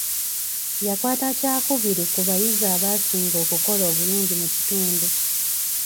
Yakwata kyakubiri ku abayizi abaasinga okukola obulungi mu kitundu.